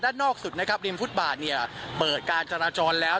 ด้านนอกสุดนะครับริมฟุตบาทเนี่ยเปิดการจราจรแล้ว